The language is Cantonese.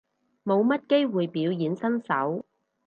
冇乜機會表演身手